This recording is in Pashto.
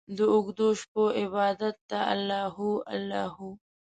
داوږدوشپو عبادته الله هو، الله هو